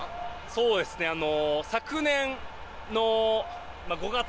そうですねあの。